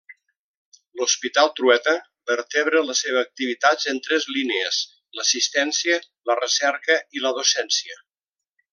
L'Hospital Trueta vertebra la seva activitat en tres línies: l'assistència, la recerca i la docència.